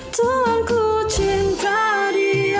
tuhan ku cinta dia